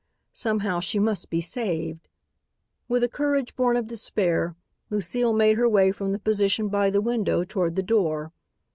Somehow she must be saved. With a courage born of despair, Lucile made her way from the position by the window toward the door.